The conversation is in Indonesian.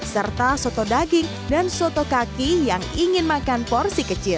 serta soto daging dan soto kaki yang ingin makan porsi kecil